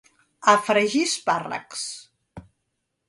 A fregir espàrrecs.